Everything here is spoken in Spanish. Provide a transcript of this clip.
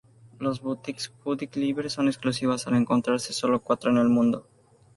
Las boutiques Judith Leiber son exclusivas, al encontrarse solo cuatro en el mundo.